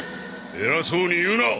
偉そうに言うな！